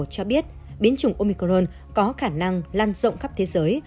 cho biết biến chủng omicron có khả năng lan rộng khắp thế giới